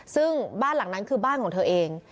ซึ่งบ้านหลังนั้นคือบ้านของเธอเอง